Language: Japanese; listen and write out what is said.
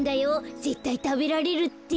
ぜったいたべられるって。